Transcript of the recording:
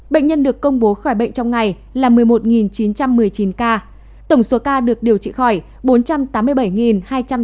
bệnh nhân được công bố khỏi bệnh trong ngày là một mươi một chín trăm một mươi chín ca tổng số ca được điều trị khỏi bốn trăm tám mươi bảy hai trăm tám mươi ca